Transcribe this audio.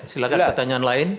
silahkan pertanyaan lain